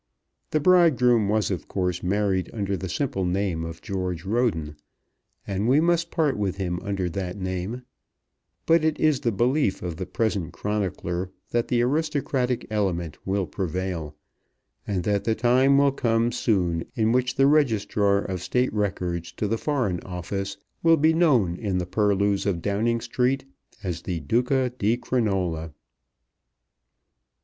The bridegroom was of course married under the simple name of George Roden, and we must part with him under that name; but it is the belief of the present chronicler that the aristocratic element will prevail, and that the time will come soon in which the Registrar of State Records to the Foreign Office will be known in the purlieus of Downing Street as the Duca di Crinola.